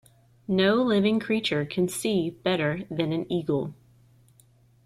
No living creature can see better than an eagle.